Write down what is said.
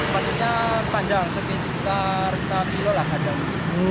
panjangnya panjang sekitar satu km lah ada